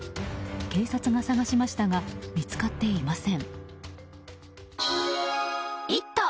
警察が探しましたが見つかっていません。